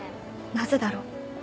なぜだろう